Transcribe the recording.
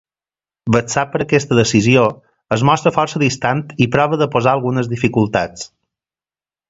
Vexat per aquesta decisió, es mostra força distant i prova de posar algunes dificultats.